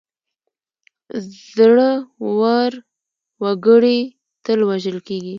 زړه ور وګړي تل وژل کېږي.